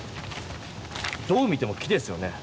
どう見ても木ですよね。